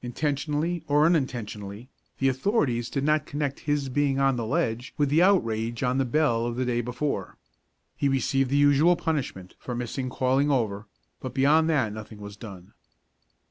Intentionally or unintentionally, the authorities did not connect his being on the ledge with the outrage on the bell of the day before. He received the usual punishment for missing calling over, but beyond that nothing was done.